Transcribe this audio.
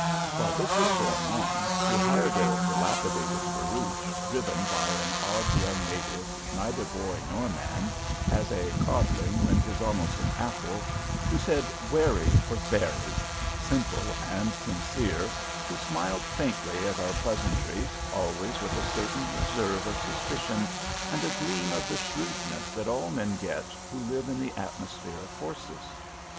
While this was going on, we hired a dilapidated barouche, driven by an odd young native, neither boy nor man, "as a codling when 't is almost an apple," who said wery for very, simple and sincere, who smiled faintly at our pleasantries, always with a certain reserve of suspicion, and a gleam of the shrewdness that all men get who live in the atmosphere of horses.